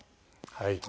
はい。